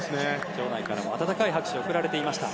場内からも温かい拍手が送られていました。